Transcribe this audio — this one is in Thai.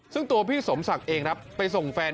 ซึ่งตัวพี่สมศักดิ์เองครับไปส่งแฟน